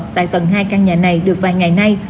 tại tầng hai căn nhà này được vài ngày nay